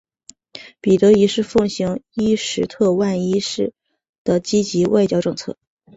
彼得一世奉行伊什特万一世的积极外交政策。